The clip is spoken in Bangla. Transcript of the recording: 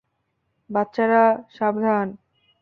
বাচ্চারা, সাবধান।